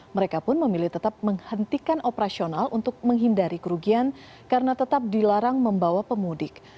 mereka pun memilih tetap menghentikan operasional untuk menghindari kerugian karena tetap dilarang membawa pemudik